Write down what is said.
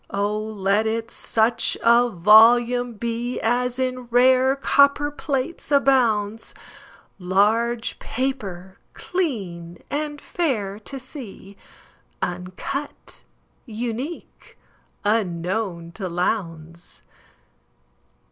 Oh, let it such a volume beAs in rare copperplates abounds, Large paper, clean, and fair to see, Uncut, unique, unknown to Lowndes.